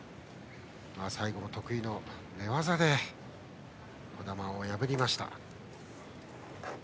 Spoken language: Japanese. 最後は得意の寝技で児玉を破りました。